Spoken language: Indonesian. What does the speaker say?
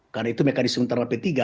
karena itu mekanisme terhadap p tiga